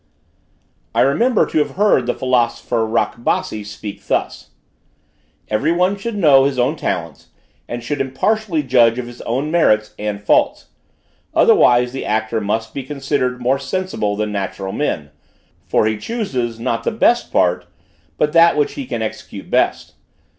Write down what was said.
I remember to have heard the philosopher Rakbasi speak thus: "Every one should know his own talents, and should impartially judge of his own merits and faults; otherwise the actor must be considered more sensible than natural men; for he chooses, not the best part, but that which he can execute best.